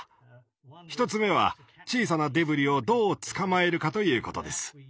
１つ目は小さなデブリをどう捕まえるかということです。